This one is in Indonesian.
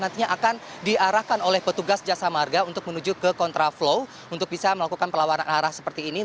nantinya akan diarahkan oleh petugas jasa marga untuk menuju ke kontraflow untuk bisa melakukan pelawanan arah seperti ini